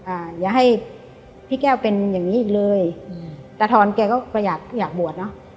อย่าให้พี่แก้วเป็นอย่างงี้อีกเลยอืมตาทอนแกก็อยากอยากบวชเนอะ